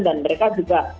dan mereka juga